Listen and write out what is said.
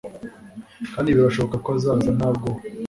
Kandi birashoboka ko azaza nta bwoba